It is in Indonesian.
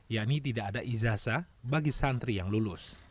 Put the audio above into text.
yakni tidak ada izasa bagi santri yang lulus